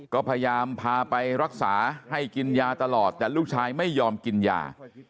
ก็พยายามพาไปรักษาให้กินยาตลอดแต่ลูกชายไม่ยอมกินยา